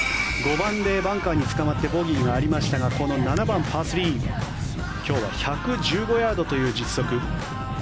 ５番でバンカーでつかまってボギーがありましたがこの７番のパー３今日は１１５ヤードという実測。